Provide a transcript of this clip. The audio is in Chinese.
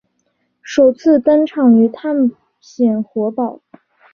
首次登场于探险活宝。